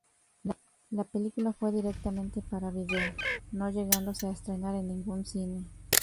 La película fue directamente para video, no llegándose a estrenar en ningún cine.